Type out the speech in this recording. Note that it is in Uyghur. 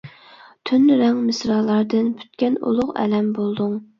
تۈن رەڭ مىسرالاردىن پۈتكەن ئۇلۇغ ئەلەم بولدۇڭ.